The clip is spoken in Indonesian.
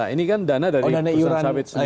nah ini kan dana dari pusat sabit sendiri